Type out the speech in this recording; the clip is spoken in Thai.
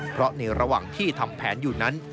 เพราะในระหว่างที่ทำแผนอยู่นั้น